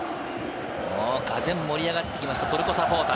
がぜん盛り上がってきました、トルコサポーター。